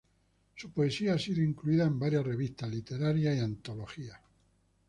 Su poesía ha sido incluida en varias revistas literarias y antologías.